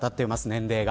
年齢が。